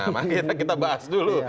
maka kita bahas dulu